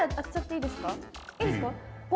いいですか？